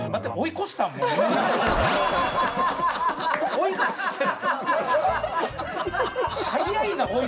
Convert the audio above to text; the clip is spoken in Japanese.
追い越してない？